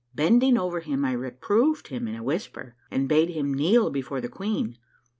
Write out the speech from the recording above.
Bending over him I reproved him in a whisper, and bade him kneel before the queen.